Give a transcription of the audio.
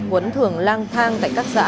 huấn thường lang thang tại các xã